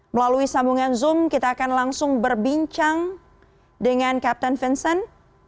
melalui sambungan zoom kita akan langsung berbincang dengan kapten vincent